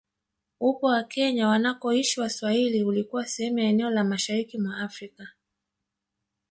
Upwa wa Kenya wanakoishi Waswahili ulikuwa sehemu ya eneo la mashariki mwa Afrika